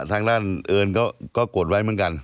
ทางด้านเอิญก็กดไว้เหมือนกัน